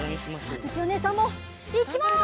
あづきおねえさんもいきます！